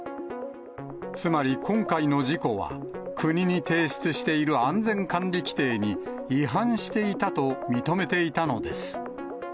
つまり、今回の事故は、国に提出している安全管理規程に違反していたと認めていたのです。